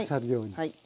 はい。